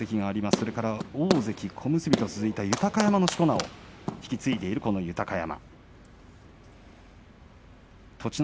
そして大関、小結と続いた豊山のしこ名を引き継いでいるこの豊山。